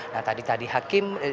nah tadi tadi hakim